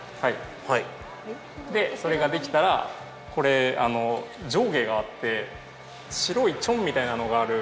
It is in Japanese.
それができたらこれ上下があって白いチョンみたいなのがある。